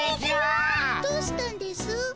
どうしたんですぅ？